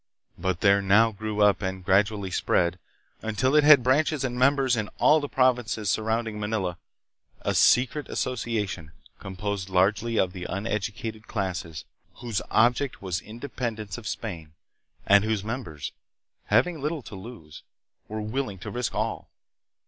But there now grew up and gradually spread, until it had its branches and members in all the provinces sur rounding Manila, a secret association composed largely of the uneducated classes, whose object was independence of Spain, and whose members, having little to lose, were willing to risk all.